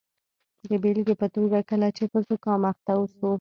د بیلګې په توګه کله چې په زکام اخته اوسو.